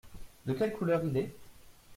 De quelle couleur il est ?